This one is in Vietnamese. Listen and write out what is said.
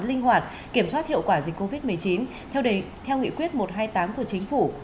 linh hoạt kiểm soát hiệu quả dịch covid một mươi chín theo nghị quyết một trăm hai mươi tám của chính phủ